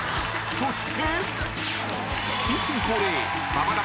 ［そして］